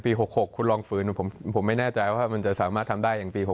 ๖๖คุณลองฝืนผมไม่แน่ใจว่ามันจะสามารถทำได้อย่างปี๖๖